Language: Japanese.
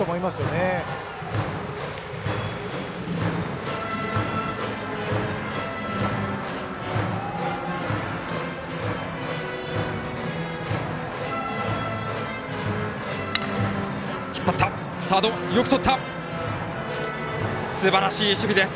すばらしい守備です。